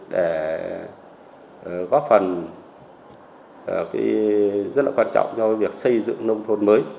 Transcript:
để góp phần rất là quan trọng cho việc xây dựng nông thôn mới